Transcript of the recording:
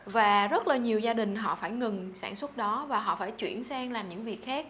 và rất là nhiều gia đình họ phải ngừng sản xuất đó và họ phải chuyển sang làm những việc khác